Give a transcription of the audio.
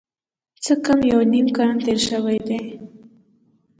څه کم یو نیم قرن تېر شوی دی.